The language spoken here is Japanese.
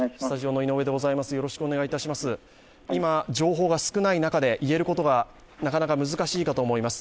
今、情報が少ない中で言えることがなかなか難しいかと思います。